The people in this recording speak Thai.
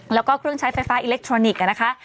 แล้วก็เครื่องใช้ไฟฟ้าอิเล็กทรอนิกส์นะคะ